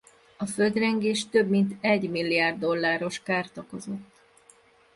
A földrengés több mint egymilliárd dolláros kárt okozott.